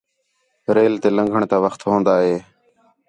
ریل تے لنگھݨ تا وخت ہون٘دا ہِے